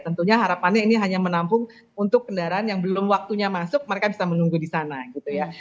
tentunya harapannya ini hanya menampung untuk kendaraan yang belum waktunya masuk mereka bisa menunggu di sana gitu ya